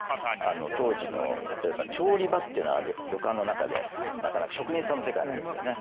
当時の例えば調理場っていうのは旅館の中で職人さんの世界なんですよね。